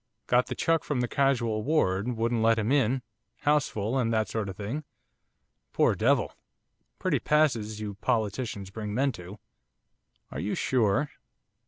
Got the chuck from the casual ward, wouldn't let him in, house full, and that sort of thing, poor devil! Pretty passes you politicians bring men to!' 'Are you sure?